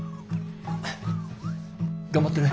頑張ってね。